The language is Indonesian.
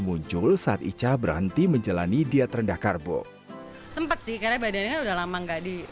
muncul saat ica berhenti menjalani diet rendah karbo sempat sih karena badannya udah lama nggak di